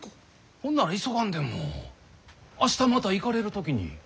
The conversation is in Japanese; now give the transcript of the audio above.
ほんなら急がんでも明日また行かれる時に。